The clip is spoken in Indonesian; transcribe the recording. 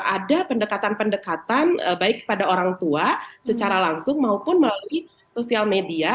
ada pendekatan pendekatan baik pada orang tua secara langsung maupun melalui sosial media